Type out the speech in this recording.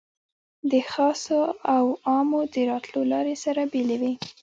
د خاصو او عامو د راتلو لارې سره بېلې وې.